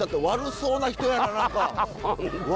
悪そうな人。